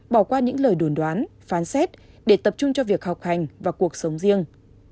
bỏ qua những lời đồn đoán phán xét để tập trung cho việc học hành và cuộc sống riêng